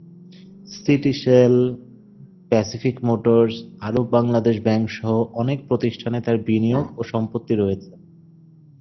Citycell, Pacific Motors, Arab Bangladesh Bank সহ অনেক প্রতিষ্ঠানে তার বিনিয়োগ ও সম্পত্তি রয়েছে।